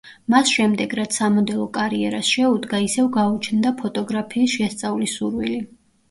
მას შემდეგ რაც სამოდელო კარიერას შეუდგა, ისევ გაუჩნდა ფოტოგრაფიის შესწავლის სურვილი.